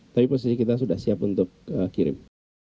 tapi posisi kita sudah siap untuk kirim